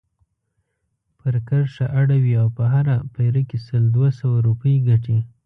پر کرښه اړوي او په هره پيره کې سل دوه سوه روپۍ ګټي.